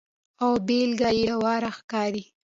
او بیلګه یې له ورایه ښکاري.